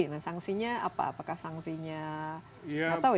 nah sangsinya apa apakah sangsinya gak tahu ya